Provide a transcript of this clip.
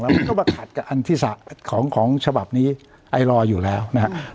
แล้วมันก็ว่าขัดกับของฉบับนี้ไอรออยู่แล้วนะครับ